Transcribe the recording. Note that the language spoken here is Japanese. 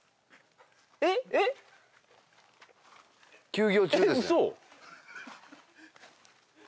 休業中ですね